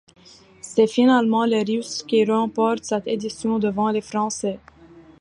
C'est finalement les Russes qui remportent cette édition devant les Français.